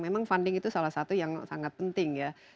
memang funding itu salah satu yang sangat penting ya